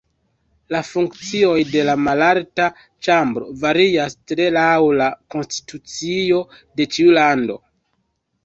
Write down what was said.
La funkcioj de la Malalta ĉambro varias tre laŭ la konstitucio de ĉiu lando.